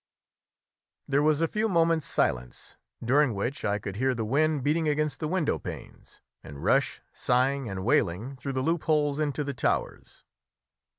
There was a few moments' silence, during which I could hear the wind beating against the window panes, and rush, sighing and wailing, through the loopholes into the towers.